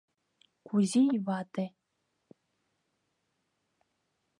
Кузий вате...